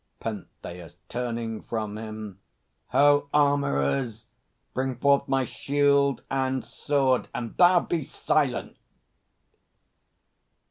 PENTHEUS (turning from him). Ho, armourers! Bring forth my shield and sword! And thou, be silent!